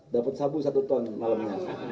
dapat sabu satu ton malamnya